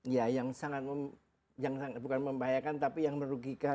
ya yang sangat bukan membahayakan tapi yang merugikan